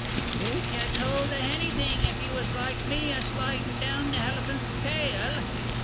You'd ketch 'old 'o hanything if you was like me, a slidin' down th' helliphant's ta ail.